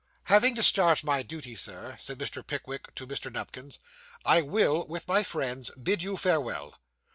'Having discharged my duty, Sir,' said Mr. Pickwick to Mr. Nupkins, 'I will, with my friends, bid you farewell.